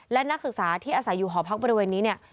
และนักศึกษาที่อาศัยอยู่หอพักบริเวณนี้เนี่ย